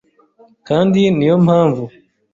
kandi ni yo mpamvu